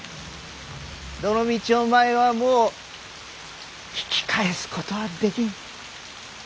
どのみちお前はもう引き返すことはできん。